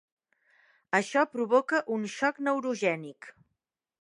Això provoca un xoc neurogènic.